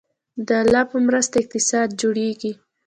د الله په مرسته اقتصاد جوړیږي